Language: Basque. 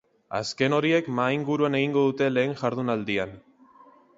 Azken horiek mahaingurua egingo dute lehen jardunaldian.